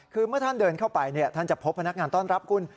คือเมื่อท่านเดินเข้าไปท่านจะพบพนักงานต้อนรับคุณ